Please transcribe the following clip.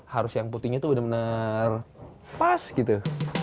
harus yang putihnya itu benar benar pas gitu